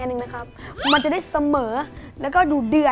๓นุ่ม๓สาย